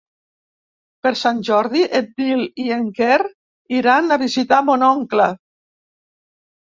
Per Sant Jordi en Nil i en Quer iran a visitar mon oncle.